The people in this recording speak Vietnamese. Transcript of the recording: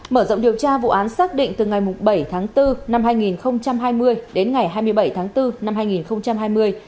mở rộng điều tra vụ án xác định từ ngày bảy tháng bốn năm hai nghìn hai mươi đến ngày hai mươi bảy tháng bốn năm hai nghìn hai mươi